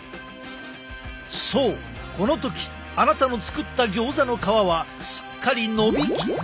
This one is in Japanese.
そうこの時あなたの作ったギョーザの皮はすっかりのびきっていたのだ。